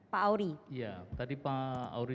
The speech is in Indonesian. pak aury ya tadi pak aury